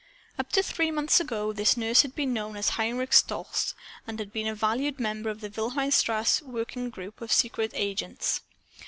Up to three months ago this nurse had been known as Heinrich Stolz, and had been a valued member of the Wilhelmstrasse's workingforce of secret agents.